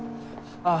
ああ。